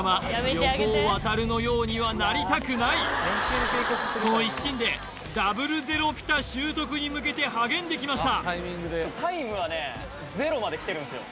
横尾渉のようにはなりたくないその一心でダブルゼロピタ習得に向けて励んできました